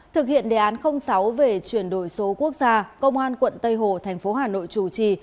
thực hiện đề án sáu về chuyển đổi số quốc gia công an quận tây hồ thành phố hà nội chủ trì